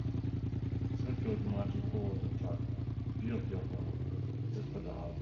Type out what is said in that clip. Sir George Martin co-wrote the track "Beat of Your Heart" just for the album.